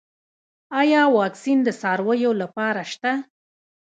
آیا واکسین د څارویو لپاره شته؟